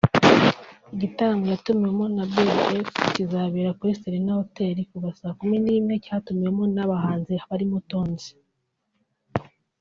Igitaramo yatumiwemo na Billy Jakes kizabera kuri Serena Hotel kuva saa kumi n’imwe cyatumiwemo abanhanzi barimo Tonzi